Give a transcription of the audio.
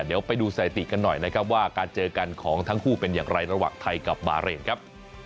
เดี๋ยวไปดูสถิติกันหน่อยนะครับว่าการเจอกันของทั้งคู่เป็นอย่างไรระหว่างไทยกับบาเรนครับ